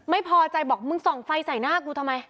ไม่พอใจบอกมึงส่องไฟใส่หน้ากูทำไม